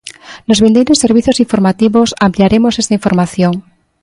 Nos vindeiros servizos informativos ampliaremos esta información.